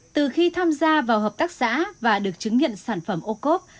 từ khi tham gia vào hợp tác xã và được chứng nhận sản phẩm ô cốp